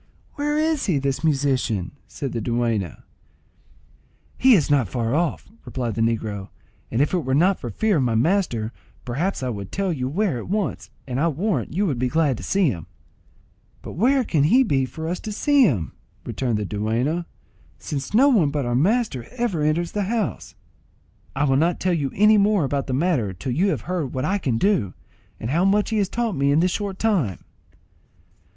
"Where is he, this musician?" said the dueña. "He is not far off," replied the negro; "and if it were not for fear of my master, perhaps I would tell you where at once, and I warrant you would be glad to see him." "But where can he be for us to see him," returned the dueña, "since no one but our master ever enters this house?" "I will not tell you any more about the matter till you have heard what I can do, and how much he has taught me in this short time."